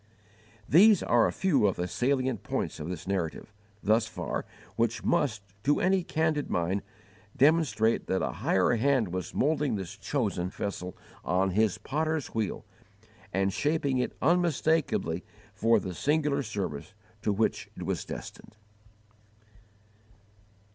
These are a few of the salient points of this narrative, thus far, which must, to any candid mind, demonstrate that a higher Hand was moulding this chosen vessel on His potter's wheel, and shaping it unmistakably for the singular service to which it was destined!